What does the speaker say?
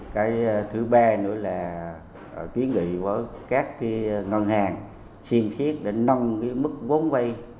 cái thứ ba nữa là ký nghị với các cái ngân hàng xin chiếc để nâng cái mức vốn vây